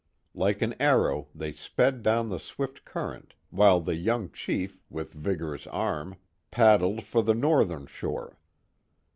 Like an arrow they sped down the swift current, while the young chief, with vigorous arm. paddled for the northern shore.